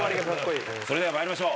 それでは参りましょう。